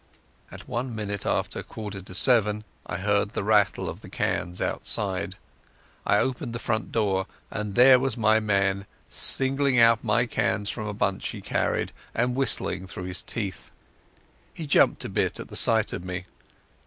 At one minute after the quarter to seven I heard the rattle of the cans outside. I opened the front door, and there was my man, singling out my cans from a bunch he carried and whistling through his teeth. He jumped a bit at the sight of me.